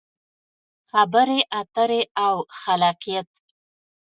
خبرې اترې او خلاقیت: